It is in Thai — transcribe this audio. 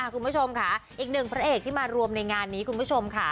คุณผู้ชมค่ะอีกหนึ่งพระเอกที่มารวมในงานนี้คุณผู้ชมค่ะ